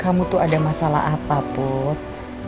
kamu tuh ada masalah apa put